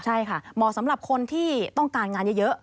ใช่ค่ะเหมาะสำหรับคนที่ต้องการงานเยอะ